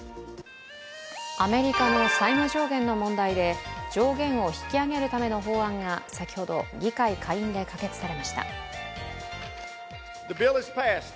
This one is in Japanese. アメリカの債務上限の問題で上限を引き上げるための法案が先ほど、議会下院で可決されました